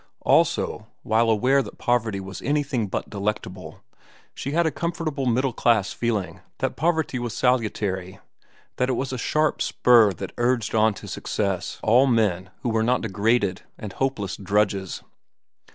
Also, while aware that poverty was anything but delectable, she had a comfortable middle class feeling that poverty was salutary, that it was a sharp spur that urged on to success all men who were not degraded and hopeless drudges.